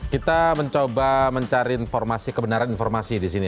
kita mencoba mencari informasi kebenaran